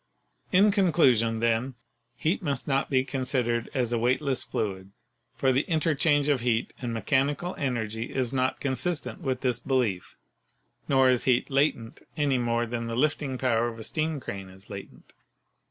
In conclusion, then, heat must not be considered as a weightless fluid, for the interchange of heat and mechani cal energy is not consistent with this belief. Nor is heat "latent" any more than the lifting power of a steam crane is latent.